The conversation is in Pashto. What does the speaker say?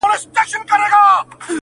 چي وهل یې ولي وخوړل بېځایه.!